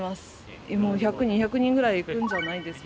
もう１００２００人ぐらいいくんじゃないですか？